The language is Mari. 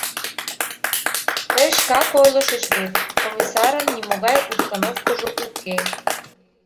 — Тый шкак ойлышыч вет: Комиссарын нимогай установкыжо уке.